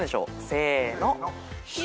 せの。